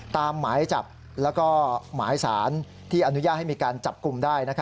หมายจับแล้วก็หมายสารที่อนุญาตให้มีการจับกลุ่มได้